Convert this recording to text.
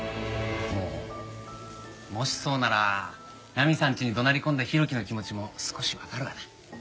ああもしそうならナミさんちに怒鳴り込んだ浩喜の気持ちも少しわかるわな。